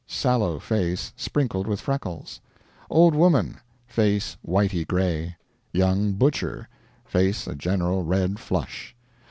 Sallow face, sprinkled with freckles. Old woman. Face whitey gray. Young butcher. Face a general red flush.